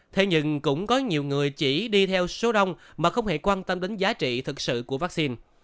thế nhưng cũng có nhiều người chỉ đi theo số đông mà không hề quan tâm đến giá trị thực sự của vaccine